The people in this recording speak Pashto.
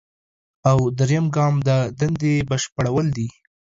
او دریم ګام د دندې بشپړول دي.